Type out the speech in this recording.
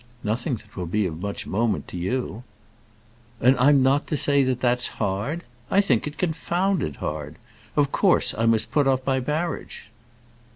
"Nothing that will be of much moment to you." "And I'm not to say that that's hard? I think it confounded hard. Of course I must put off my marriage."